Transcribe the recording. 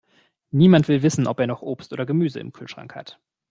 Niemand will wissen, ob er noch Obst oder Gemüse im Kühlschrank hat.